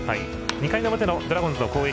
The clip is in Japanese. ２回の表のドラゴンズの攻撃